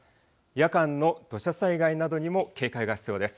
夜間の土砂災害などにも警戒が必要です。